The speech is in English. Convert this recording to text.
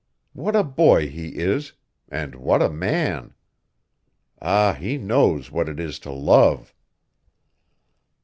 "What a boy he is and what a man! Ah, he knows what it is to love!"